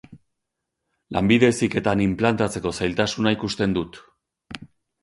Lanbide Heziketan inplantatzeko zailtasuna ikusten dut.